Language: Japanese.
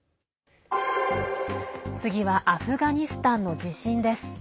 次はアフガニスタンの地震です。